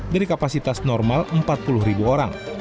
dari kapasitas normal empat puluh ribu orang